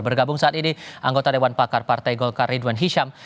bergabung saat ini anggota dewan pakar partai golkar ridwan hisyam